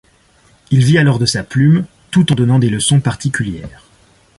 Il vit alors de sa plume, tout en donnant des leçons particulières.